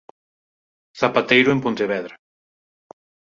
Zapateiro en Pontevedra.